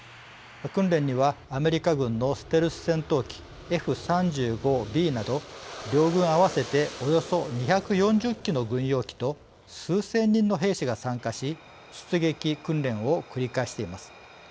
訓練にはアメリカ軍のステルス戦闘機Ｆ３５Ｂなど両軍合わせておよそ２４０機の軍用機と数千人の兵士が参加し出撃訓練を繰り返しています。